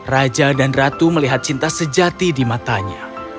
raja dan ratu melihat cinta sejati di matanya